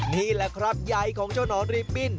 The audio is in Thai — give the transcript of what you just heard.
นี่แหละครับยัยของเจ้านอนริปิต